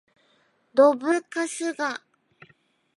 どぶカスが